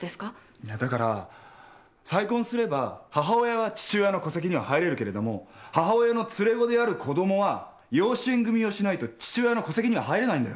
いやだから再婚すれば母親は父親の戸籍には入れるけれども母親の連れ子である子供は養子縁組みをしないと父親の戸籍には入れないんだよ。